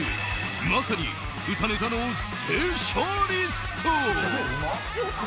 まさに歌ネタのスペシャリスト。